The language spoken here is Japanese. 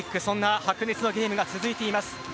そんな白熱のゲームが続いています。